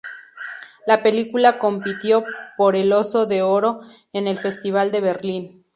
La película compitió por el Oso de Oro en el Festival de Berlín.